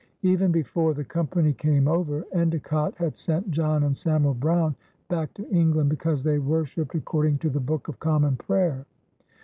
Even before the company came over, Endecott had sent John and Samuel Browne back to England because they worshiped according to the Book of Common Prayer.